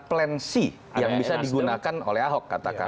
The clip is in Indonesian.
plan c yang bisa digunakan oleh ahok katakanlah